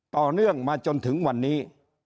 ต่อเนื่องมาจนถึงวันนี้